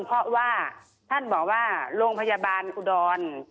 เพราะว่าท่านบอกว่าโรงพยาบาลอุดร